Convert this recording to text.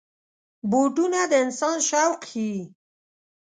بوټونه د انسان شوق ښيي.